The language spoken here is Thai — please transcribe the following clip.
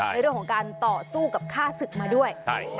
ในเรื่องของการต่อสู้กับฆ่าศึกมาด้วย